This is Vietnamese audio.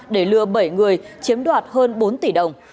để lừa bảy người chiếm đoạt hơn bốn tỷ đồng